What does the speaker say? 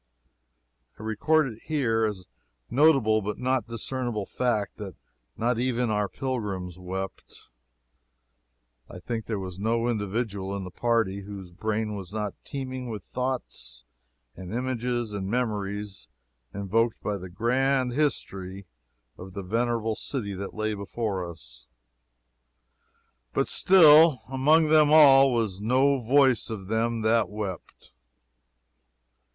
I record it here as a notable but not discreditable fact that not even our pilgrims wept. I think there was no individual in the party whose brain was not teeming with thoughts and images and memories invoked by the grand history of the venerable city that lay before us, but still among them all was no "voice of them that wept."